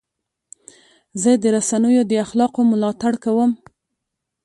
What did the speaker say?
زه د رسنیو د اخلاقو ملاتړ کوم.